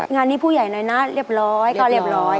งานนี้ผู้ใหญ่หน่อยนะเรียบร้อยก็เรียบร้อย